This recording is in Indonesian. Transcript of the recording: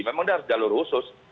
memang dia harus jalur khusus